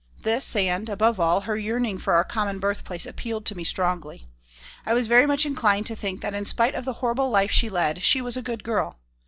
This and, above all, her yearning for our common birthplace appealed to me strongly. I was very much inclined to think that in spite of the horrible life she led she was a good girl.